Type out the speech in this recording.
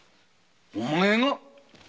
お前が？